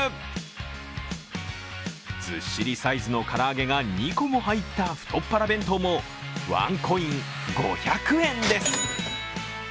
ずっしりサイズの唐揚げが２個も入った太っ腹弁当もワンコイン５００円です。